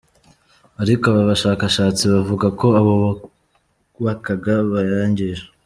Ariko aba bashakashatsi bavuga ko abo bubakaga bayangije.